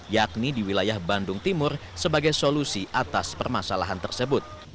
yakni di wilayah bandung timur sebagai solusi atas permasalahan tersebut